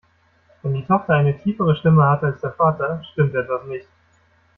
Wenn die Tochter eine tiefere Stimme hat als der Vater, stimmt etwas nicht.